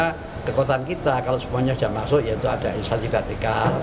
karena kekuatan kita kalau semuanya sudah masuk yaitu ada insati katika